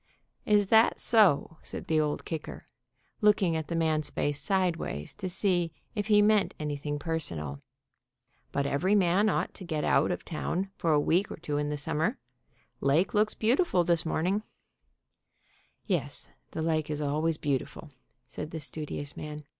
"Is that so?" said the Old Kicker, looking at the man's face sideways to see if he meant anything per sonal. "But every man ought to get out of town for a week or two in the summer. Lake looks beau tiful this morning/' "Yes, the lake is always beautiful," said the studi ous man.